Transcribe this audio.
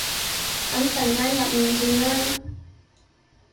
噉陣間入面見啦